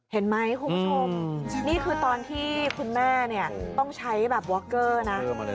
เห็นไหมคุณผู้ชมนี่คือตอนที่คุณแม่เนี่ยต้องใช้แบบวอคเกอร์นะ